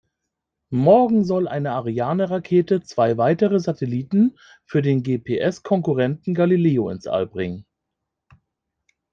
Morgen soll eine Ariane-Rakete zwei weitere Satelliten für den GPS-Konkurrenten Galileo ins All bringen.